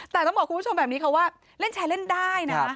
แต่ต้องบอกคุณผู้ชมแบบนี้ค่ะว่าเล่นแชร์เล่นได้นะ